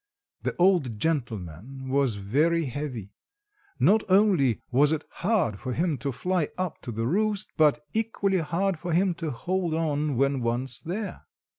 The old gentleman was very heavy. Not only was it hard for him to fly up to the roost, but equally hard for him to hold on when once there.